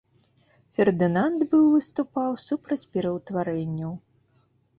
Фердынанд быў выступаў супраць пераўтварэнняў.